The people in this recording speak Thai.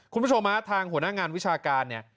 คุณผู้ชมฮะทางหัวหน้างานวิชาการเนี่ย